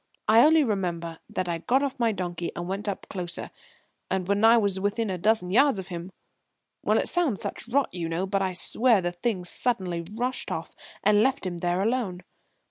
I only remember that I got off my donkey and went up closer, and when I was within a dozen yards of him well, it sounds such rot, you know, but I swear the things suddenly rushed off and left him there alone.